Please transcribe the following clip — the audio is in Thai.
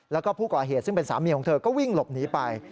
แล้วก็ผู้ก่อเหตุซึ่งเป็นสามีของเธอก็วิ่งหลบหนีไป